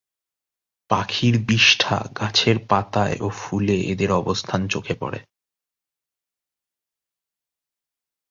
পাখির বিষ্ঠা, গাছের পাতায় ও ফুলে এদের অবস্থান চোখে পরে।